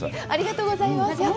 ありがとうございます。